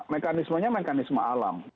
mekanismenya mekanisme alam